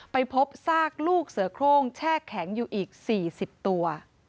ไปพบซากลูกเสือโครงแช่แข็งอยู่อีก๔๐ตัว